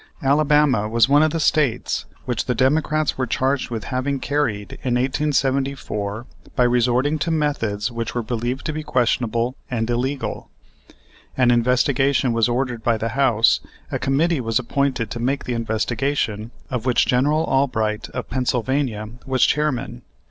Alabama was one of the States which the Democrats were charged with having carried in 1874 by resorting to methods which were believed to be questionable and illegal. An investigation was ordered by the House. A committee was appointed to make the investigation, of which General Albright, of Pennsylvania, was chairman.